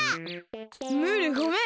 ムールごめん！